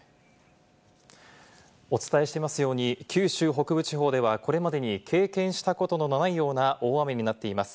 お伝えしていますように、九州北部地方ではこれまでに経験したことのないような大雨になっています。